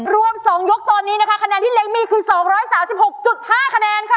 รวม๒ยกตอนนี้นะคะคะแนนที่เล็กมีคือ๒๓๖๕คะแนนค่ะ